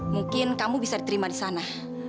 mungkin kamu bisa diterima di sana